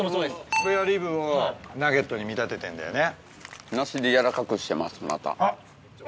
スペアリブをナゲットに見立ててるんだよね。